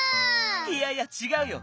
いやいやちがうよ。